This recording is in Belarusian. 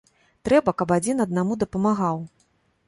Трэба, каб адзін аднаму дапамагаў.